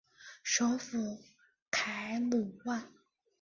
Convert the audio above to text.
首府凯鲁万。